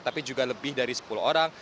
tapi juga lebih dari sepuluh orang